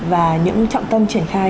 và những trọng tâm triển khai